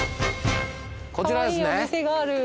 こちらですね。